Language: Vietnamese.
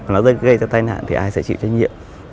nó gây ra tai nạn thì ai sẽ chịu trách nhiệm